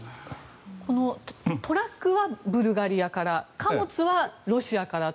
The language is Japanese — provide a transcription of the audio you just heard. トラックはブルガリアから貨物はロシアから。